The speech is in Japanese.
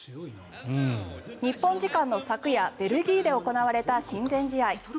日本時間の昨夜ベルギーで行われた親善試合。